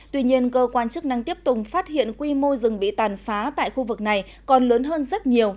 tuy nhiên cơ quan chức năng tiếp tục phát hiện quy mô rừng bị tàn phá tại khu vực này còn lớn hơn rất nhiều